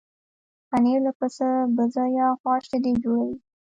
پنېر له پسه، بزه یا غوا شیدو جوړېږي.